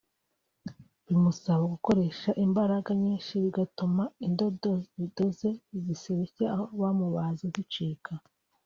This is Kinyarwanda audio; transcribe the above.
bimusaba gukoresha imbaraga nyinshi bigatuma indodo zidoze igisebe cy’aho bamubaze zicika